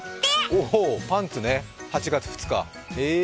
おお、パンツね、８月２日。